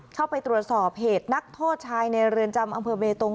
เข้าไปตรวจสอบเหตุนักโทษชายในเรือนจำอำเภอเบตง